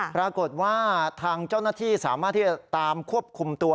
ปรากฏว่าทางเจ้าหน้าที่สามารถที่จะตามควบคุมตัว